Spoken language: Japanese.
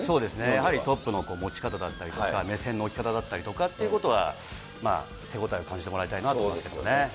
やはりトップの持ち方だったりとか、目線の置き方だったりとかっていうことは、まあ、手応えを感じてもらいたいなと思いますね。